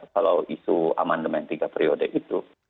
kalau isu amandemen tiga periode itu